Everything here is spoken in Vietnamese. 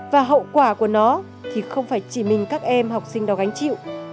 và hậu quả của nó thì không phải chỉ mình các em học sinh đó gánh chịu